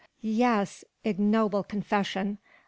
Yes. Ignoble confession!